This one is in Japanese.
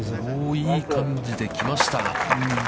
いい感じで来ました。